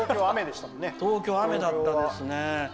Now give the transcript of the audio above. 東京は雨だったんですね。